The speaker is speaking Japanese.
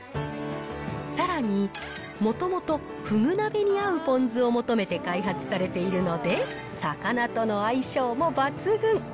さらに、もともとふぐ鍋に合うポン酢を求めて開発されているので、魚との相性も抜群。